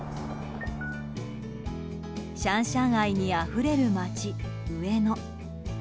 シャンシャン愛にあふれる街上野。